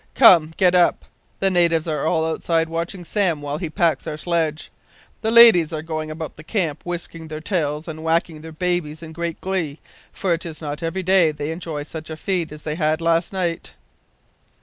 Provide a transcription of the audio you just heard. Come, get up! The natives are all outside watching Sam while he packs our sledge. The ladies are going about the camp whisking their tails and whacking their babies in great glee, for it is not every day they enjoy such a feed as they had last night."